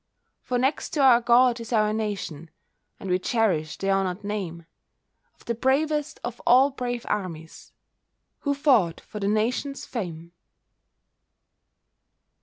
For next to our God is our Nation; And we cherish the honoured name Of the bravest of all brave armies Who fought for that Nation's fame.